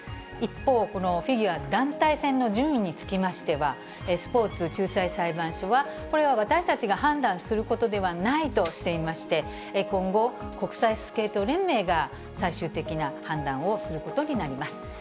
一方、フィギュア団体戦の順位につきましては、スポーツ仲裁裁判所は、これは私たちが判断することではないとしていまして、今後、国際スケート連盟が最終的な判断をすることになります。